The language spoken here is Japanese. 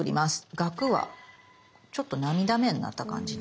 がくはちょっと涙目になった感じで。